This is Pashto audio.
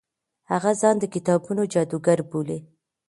هغه ځان د کتابونو جادوګر بولي.